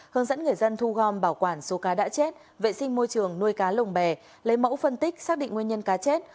hướng dẫn người dân thu gom bảo quản số cá đã chết vệ sinh môi trường nuôi cá lồng bè lấy mẫu phân tích xác định nguyên nhân cá chết